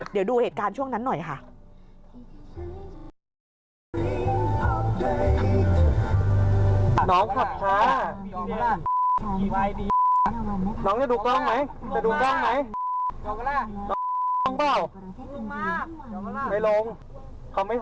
เดี๋ยวดูเหตุการณ์ช่วงนั้นหน่อยค่ะ